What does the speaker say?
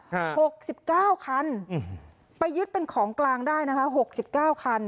หกสิบเก้าคันอืมไปยึดเป็นของกลางได้นะคะหกสิบเก้าคัน